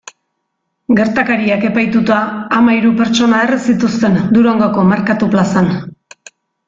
Gertakariak epaituta hamahiru pertsona erre zituzten Durangoko merkatu plazan.